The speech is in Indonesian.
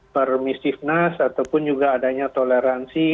permissiveness ataupun juga adanya toleransi